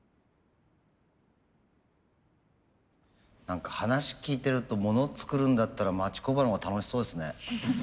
何か話聞いてるとモノ作るんだったら町工場のほうが楽しそうですね。